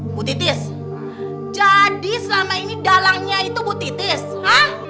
ibu titis jadi selama ini dalangnya itu bu titis